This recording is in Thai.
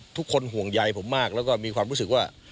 ทุกคนห่วงใยผมมากแล้วก็มีความรู้สึกว่า